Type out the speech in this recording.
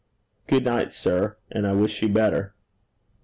Good night, sir, and I wish you better.'